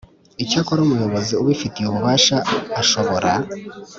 Icyakora umuyobozi ubifitiye ububasha ashobora